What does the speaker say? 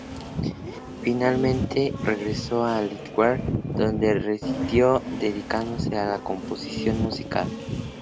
Finalmente regresó a Le Havre, donde residió, dedicándose a la composición musical.